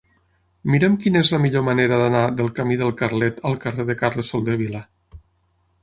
Mira'm quina és la millor manera d'anar del camí del Carlet al carrer de Carles Soldevila.